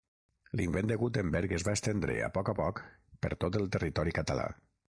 L'invent de Gutenberg es va estendre, a poc a poc, per tot el territori català.